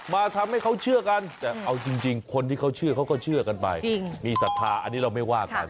ทำให้เขาเชื่อกันแต่เอาจริงคนที่เขาเชื่อเขาก็เชื่อกันไปมีศรัทธาอันนี้เราไม่ว่ากัน